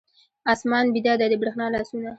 آسمان بیده دی، د بریښنا لاسونه